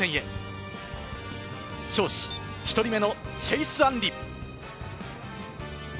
１人目のチェイス・アンリ。